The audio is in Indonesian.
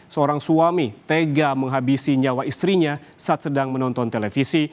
seorang suami tega menghabisi nyawa istrinya saat sedang menonton televisi